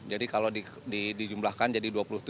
jadi kalau dijumlahkan jadi dua puluh tujuh